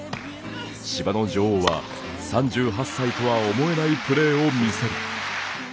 芝の女王は３８歳とは思えないプレーを見せる。